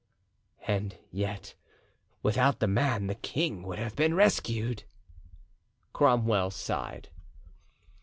"And yet, without the man, the king would have been rescued." Cromwell smiled.